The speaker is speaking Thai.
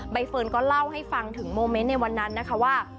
เฟิร์นก็เล่าให้ฟังถึงโมเมนต์ในวันนั้นนะคะว่า